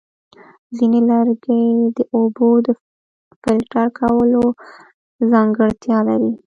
ځینې لرګي د اوبو د فلټر کولو ځانګړتیا لري.